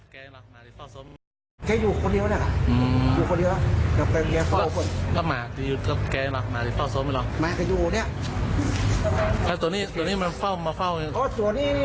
ก็คาดว่าคุณตาคำน่าจะเสียชีวิต